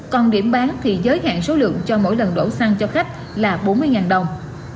còn điểm bán thì giới hạn số lượng cho mỗi lần đổ xăng cho khách là bốn mươi đồng